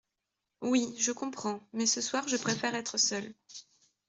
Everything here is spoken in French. Oui, je comprends, mais ce soir je préfère être seul.